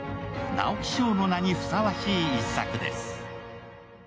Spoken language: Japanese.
直木賞の名にふさわしい一作です。